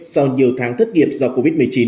sau nhiều tháng thất nghiệp do covid một mươi chín